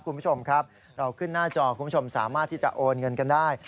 คุณผู้ชมครับเราขึ้นหน้าจอคุณผู้ชมสามารถที่จะโอนเงินกันได้